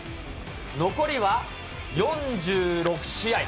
残りは４６試合。